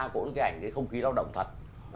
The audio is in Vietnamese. cũng cái ảnh không khí lao động thật